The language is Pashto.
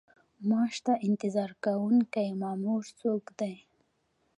معاش ته انتظار کوونکی مامور څوک دی؟